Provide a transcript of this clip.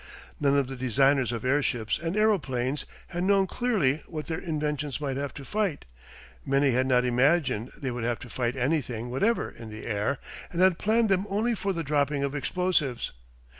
None of the designers of airships and aeroplanes had known clearly what their inventions might have to fight; many had not imagined they would have to fight anything whatever in the air; and had planned them only for the dropping of explosives.